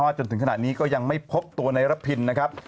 จนถึงขณะนี้ก็ยังไม่พบตัวในระพินนะครับ